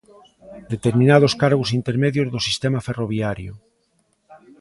Determinados cargos intermedios do sistema ferroviario.